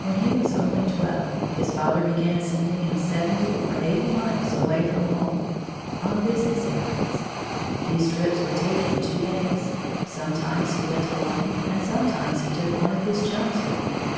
When he was only twelve, his father began sending him seventy or eighty miles away from home, on business errands. These trips would take him two days. Sometimes he went alone, and sometimes he took one of his chums with him.